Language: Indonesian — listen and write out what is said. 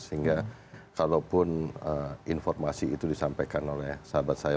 sehingga kalaupun informasi itu disampaikan oleh sahabat saya